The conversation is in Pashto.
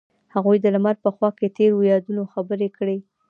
هغوی د لمر په خوا کې تیرو یادونو خبرې کړې.